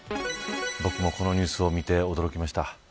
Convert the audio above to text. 僕もこのニュースを見て驚きました。